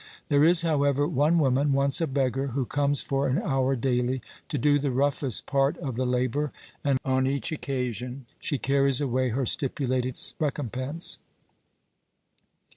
There is, however, one woman, once a beggar, who comes for an hour daily to do the roughest part of the labour, and on each occasion she carries away her stipulated recompense.